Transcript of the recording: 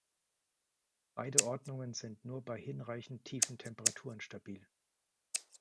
Beide Ordnungen sind nur bei hinreichend tiefen Temperaturen stabil.